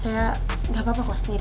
saya nggak apa apa kok sendiri